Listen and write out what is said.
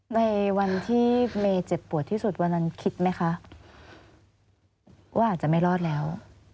ในวันที่เมย์เจ็บปวดที่สุดวันนั้นคิดไหมคะว่าอาจจะไม่รอดแล้ว